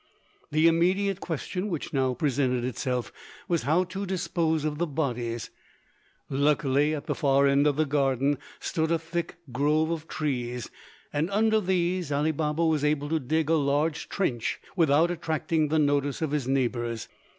The immediate question which next presented itself was how to dispose of the bodies. Luckily at the far end of the garden stood a thick grove of trees, and under these Ali Baba was able to dig a large trench without attracting the notice of his neighbours.